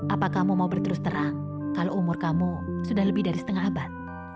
apakah kamu mau berterus terang kalau umur kamu sudah lebih dari setengah abad